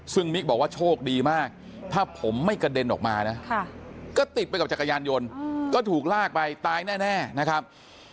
ซึ่งมิ๊กบอกว่าโชคดีมากถ้าผมไม่กระเด็นออกมานะก็ติดไปกับจักรยานยนต์ก็ถูกลากไปตายแน่นะครับ